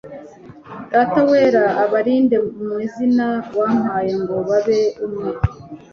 Data wera, ubarindire mu izina wampaye ngo babe umwe